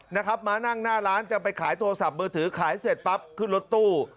นะครับมานั่งหน้าร้านจะไปขายโทรศัพท์มือถือขายเสร็จปั๊บขึ้นรถตู้